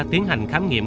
tiến hành khám nghiệm